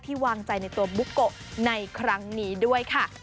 วางใจในตัวบุ๊กโกะในครั้งนี้ด้วยค่ะ